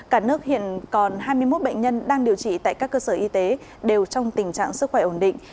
cả nước hiện còn hai mươi một bệnh nhân đang điều trị tại các cơ sở y tế đều trong tình trạng sức khỏe ổn định